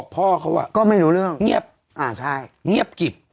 เพราะเผาศพไปแล้วด้วย